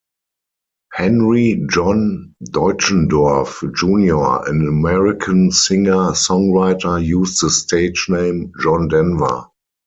Henry John Deutschendorf Junior an American singer-songwriter used the stage name John Denver.